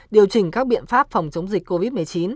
điều chỉnh các biện pháp phòng chống dịch covid một mươi chín